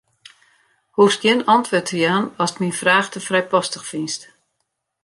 Hoechst gjin antwurd te jaan ast myn fraach te frijpostich fynst.